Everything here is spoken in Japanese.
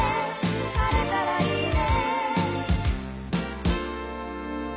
「晴れたらいいね」